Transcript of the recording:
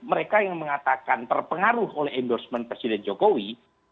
mereka yang mengatakan terpengaruh oleh endorsement presiden jokowi